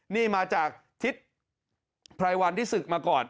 นี่มาจากทิศไพรวันที่ศึกมาก่อน